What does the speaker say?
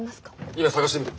今探してみる。